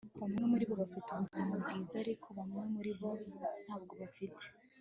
Bamwe muribo bafite ubuzima bwiza ariko bamwe muribo ntabwo bafite